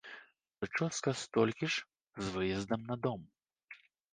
Прычоска столькі ж з выездам на дом.